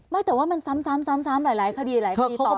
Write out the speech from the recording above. ไม่แต่ว่ามันซ้ำหลายคดีหลายคดีต่อ